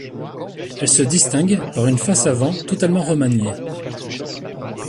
Elle se distingue par une face avant totalement remaniée.